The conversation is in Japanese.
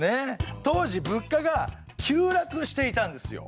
当時物価が急落していたんですよ。